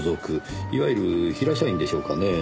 いわゆる平社員でしょうかねぇ。